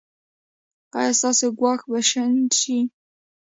ایا ستاسو ګواښ به شنډ شي؟